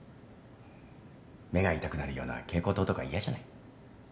目が痛くなるような蛍光灯とか嫌じゃない。